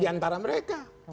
di antara mereka